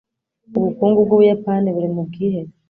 Ubukungu bwUbuyapani buri mu bwihebe